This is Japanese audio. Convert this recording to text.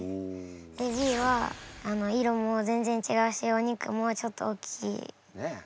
でＢは色も全然違うしお肉もちょっと大きいです。